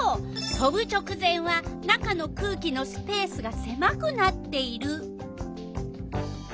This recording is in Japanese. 飛ぶ直前は中の空気のスペースがせまくなっている。